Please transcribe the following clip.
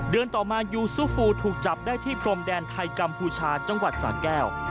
ต่อมายูซูฟูถูกจับได้ที่พรมแดนไทยกัมพูชาจังหวัดสาแก้ว